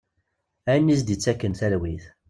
Ayen i as-d-ittaken talwit.